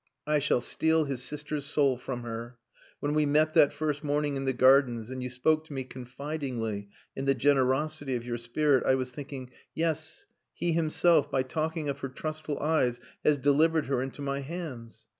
I shall steal his sister's soul from her. When we met that first morning in the gardens, and you spoke to me confidingly in the generosity of your spirit, I was thinking, 'Yes, he himself by talking of her trustful eyes has delivered her into my hands!